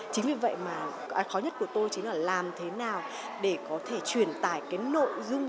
chính vì vậy mà cái khó nhất của tôi chính là làm thế nào để có thể truyền tải cái nội dung